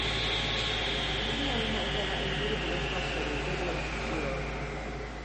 İki yanına uzanan elleri bile sapsarıydı ve titriyordu.